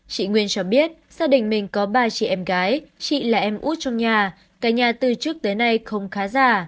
chị nguyên cho biết gia đình mình có ba chị em gái chị là em út trong nhà cả nhà từ trước tới nay không khá giả